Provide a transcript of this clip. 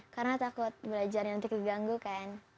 karena takut belajar nanti keganggu kan